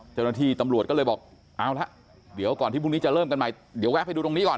เจ้าหน้าที่ตำรวจก็เลยบอกเอาละเดี๋ยวก่อนที่พรุ่งนี้จะเริ่มกันใหม่เดี๋ยวแวะไปดูตรงนี้ก่อน